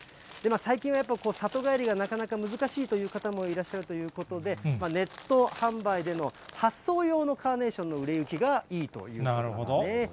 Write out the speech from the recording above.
最近は里帰りがなかなか難しいという方もいらっしゃるということで、ネット販売での発送用のカーネーションの売れ行きがいいということなんですね。